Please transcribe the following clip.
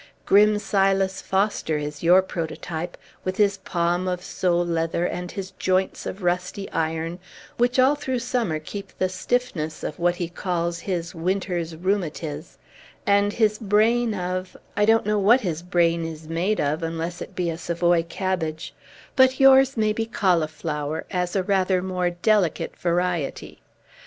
Grim Silas Foster is your prototype, with his palm of sole leather, and his joints of rusty iron (which all through summer keep the stiffness of what he calls his winter's rheumatize), and his brain of I don't know what his brain is made of, unless it be a Savoy cabbage; but yours may be cauliflower, as a rather more delicate variety.